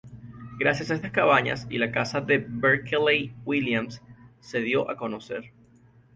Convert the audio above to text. Gracias a estas cabañas y la casa de Berkeley Williams se dio a conocer.